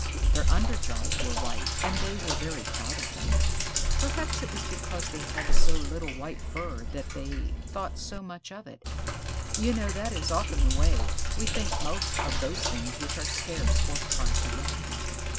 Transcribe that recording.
Their under jaws were white, and they were very proud of them. Perhaps it was because they had so little white fur that they thought so much of it. You know that is often the way we think most of those things which are scarce or hard to get.